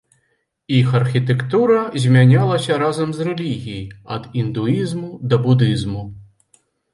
Іх архітэктура змянялася разам з рэлігіяй, ад індуізму да будызму.